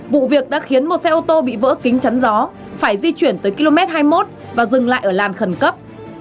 vụ việc đã khiến một xe ô tô bị vỡ kính chắn gió phải di chuyển tới km hai mươi một và dừng lại ở làn khẩn cấp